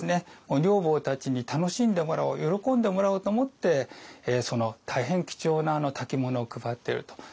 女房たちに楽しんでもらおう喜んでもらおうと思ってその大変貴重な薫物を配っていると。